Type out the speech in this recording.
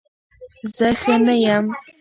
زه ښه نه یم